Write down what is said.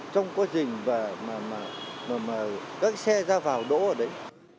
trong quá trình mà các xe ra vào đỗ ở đấy